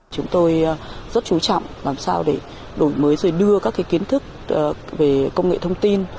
chúng tôi rất chú trọng làm sao để đổi mới rồi đưa các kiến thức về công nghệ thông tin